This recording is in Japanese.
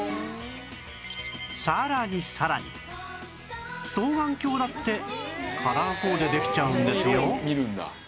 さらにさらに双眼鏡だってカラーコーデできちゃうんですよ